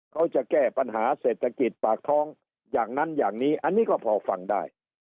เขาจะแก้ปัญหาเศรษฐกิจปากท้องอย่างนั้นอย่างนี้อันนี้ก็พอฟังได้